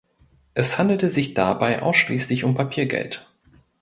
Es handelte sich dabei ausschließlich um Papiergeld.